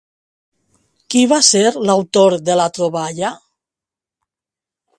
Qui va ser l'autor de la troballa?